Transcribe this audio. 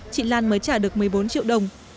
chị lan mới trả được một mươi bốn triệu đồng